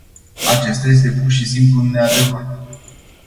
Acesta este pur și simplu un neadevăr.